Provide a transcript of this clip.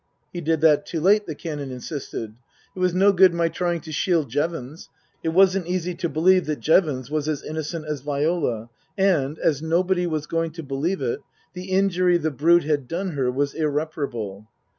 He did that too late, the Canon insisted. It was no good my trying to shield Jevons. It wasn't easy to believe that Jevons was as innocent as Viola, and, as nobody was going to believe it, the injury the brute had done her was irreparable.